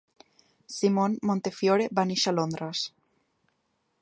Simon Montefiore va néixer a Londres.